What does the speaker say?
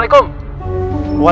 pakin deh lo giat